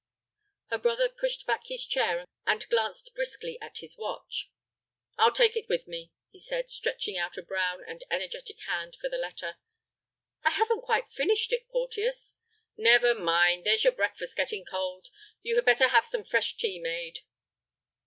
Her brother pushed back his chair, and glanced briskly at his watch. "I'll take it with me," he said, stretching out a brown and energetic hand for the letter. "I haven't quite finished it, Porteus." "Never mind; there's your breakfast getting cold. You had better have some fresh tea made."